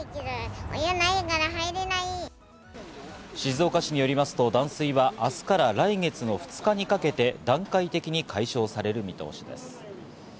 静岡市によりますと断水は明日から来月の２日にかけて、段階的に解消される見通しです。